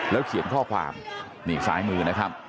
เขียนข้อความนี่ซ้ายมือนะครับ